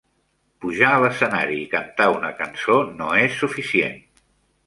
Pujar a l'escenari i cantar una cançó no és suficient.